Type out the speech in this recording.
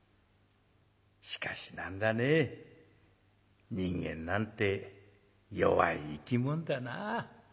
しかし何だね人間なんて弱い生き物だなあ。